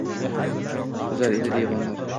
Tuzar edi devonlar.